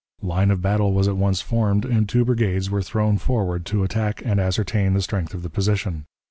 Line of battle was at once formed, and two brigades were thrown forward to attack and ascertain the strength of the position.